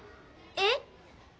えっ！？